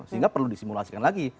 sehingga perlu disimulasikan lagi